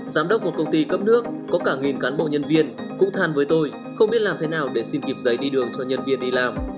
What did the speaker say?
giám đốc một công ty cấp nước có cả nghìn cán bộ nhân viên cũng than với tôi không biết làm thế nào để xin kịp giấy đi đường cho nhân viên đi làm